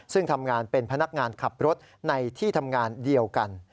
ซึ่งทำงานเป็นพนักงานขับรถในที่ทำงานเดียวกัน